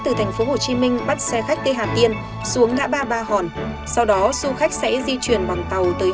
từ tp hcm bắt xe khách tây hà tiên xuống ngã ba ba hòn sau đó du khách sẽ di chuyển bằng tàu tới